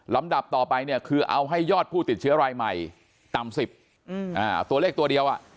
ดับต่อไปเนี่ยคือเอาให้ยอดผู้ติดเชื้อรายใหม่ต่ำ๑๐ตัวเลขตัวเดียว